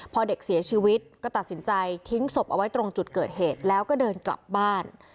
พอเด็กเสียชีวิตก็ตัดสินใจทิ้งศพเอาไว้ตรงจุดเกิดเหตุแล้วก็เดินกลับบ้าน